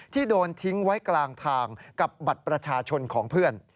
โดนทิ้งไว้กลางทางกับบัตรประชาชนของเพื่อน